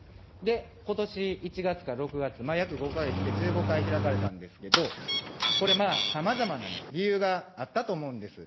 ことし１月から６月、約５か月で１５回開かれたんですけど、これ、さまざまな理由があったと思うんです。